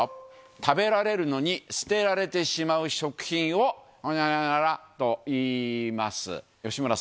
食べられるのに捨てられてしまう食品を、ほにゃららといいます。